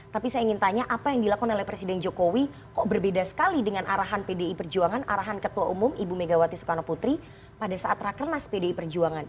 tapi saya ingin tanya apa yang dilakukan oleh presiden jokowi kok berbeda sekali dengan arahan pdi perjuangan arahan ketua umum ibu megawati soekarno putri pada saat rakernas pdi perjuangan